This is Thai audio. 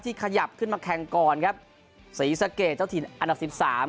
ขยับขึ้นมาแข่งก่อนครับศรีสะเกดเจ้าถิ่นอันดับสิบสาม